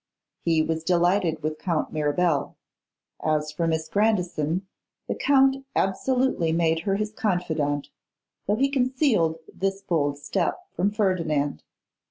He was delighted with Count Mirabel. As for Miss Grandison, the Count absolutely made her his confidante, though he concealed this bold step from Ferdinand.